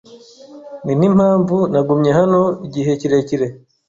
Ninimpamvu nagumye hano igihe kirekire.